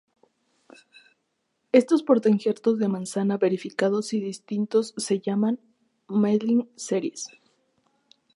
Estos portainjertos de manzana verificados y distintos se llaman"Malling series".